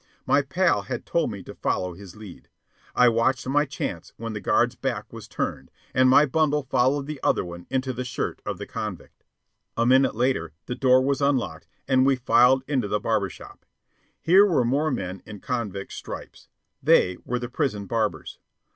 My pal had told me to follow his lead. I watched my chance when the guard's back was turned, and my bundle followed the other one into the shirt of the convict. A minute later the door was unlocked, and we filed into the barber shop. Here were more men in convict stripes. They were the prison barbers.